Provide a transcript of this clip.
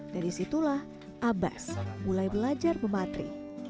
dari situlah abas mulai belajar mematri